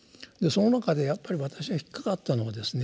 その中でやっぱり私が引っ掛かったのはですね